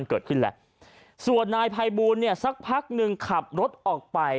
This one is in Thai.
เกิดคะส่วนนายภายบูรณ์เนี่ยสักพักนึงขับรถออก